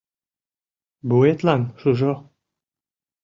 «Вуетлан шужо!